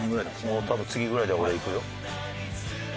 もう多分次ぐらいで俺いくよ。